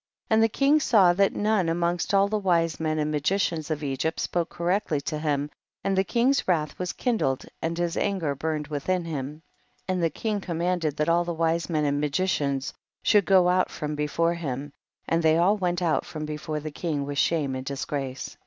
And the king saw that none amongst all the wise men and magi cians of Egypt spoke correctly to him, and the king's wrath was kin dled, and his anger burned within him. 27. And the king commanded that alltlie wise men and magicians should go out from before him, and they all went out from before the king with shame and disgrace. 28.